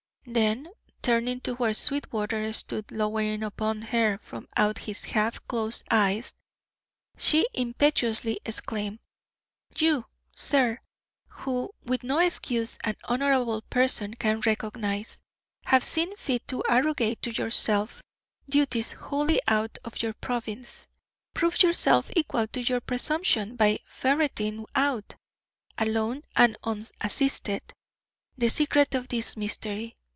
Then, turning to where Sweetwater stood lowering upon her from out his half closed eyes, she impetuously exclaimed: "You, sir, who, with no excuse an honourable person can recognise, have seen fit to arrogate to yourself duties wholly out of your province, prove yourself equal to your presumption by ferreting out, alone and unassisted, the secret of this mystery.